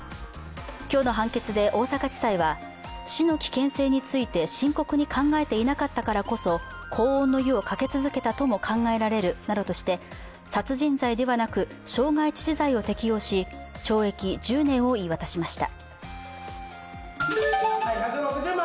今日の判決で大阪地裁は、死の危険性について深刻に考えていなかったからこそ高温の湯をかけ続けたとも考えられるなどとして、殺人罪ではなく傷害致死罪を適用し、懲役１０年を言い渡しました。